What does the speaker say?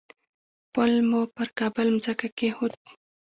پل مو پر کابل مځکه کېښود.